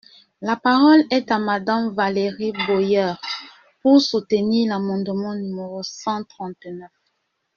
La parole est à Madame Valérie Boyer, pour soutenir l’amendement numéro cent trente-neuf.